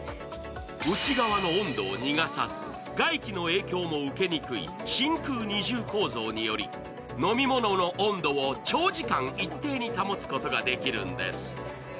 内側の温度を逃がさず、外気の影響も受けにくい真空二重構造により飲み物の温度を長時間一定に保つことができるんです。